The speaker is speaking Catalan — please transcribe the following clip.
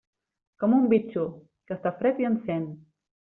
Com un bitxo, que està fred i encén.